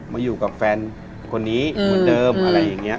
มาอยู่กับแฟนคนนี้เหมือนเดิมอะไรอย่างนี้